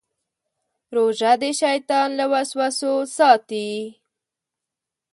روژه د شیطان له وسوسو ساتي.